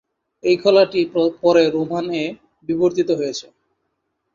এই খেলাটি পরে রোমান -এ বিবর্তিত হয়েছে।